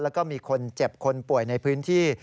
แล้วก็มีคนเจ็บคนป่วยในพื้นที่